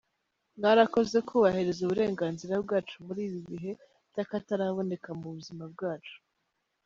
mwarakoze kubahiriza uburenganzira bwacu muri ibi bihe by’akataraboneka mu buzima bwacu.